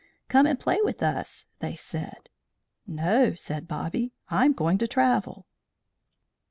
"Come and play with us," they said. "No," said Bobby; "I'm going to travel."